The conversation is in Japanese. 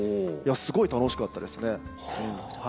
いやすごい楽しかったですね。